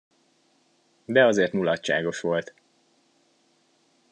De azért mulatságos volt.